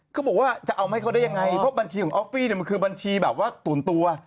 เขาบอกว่าจะเอามาให้เขาได้ยังไงเพราะบัญชีของออฟฟี่เนี่ยมันคือบัญชีแบบว่าตุ๋นตัว